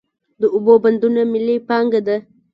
د اوبو بندونه ملي پانګه ده.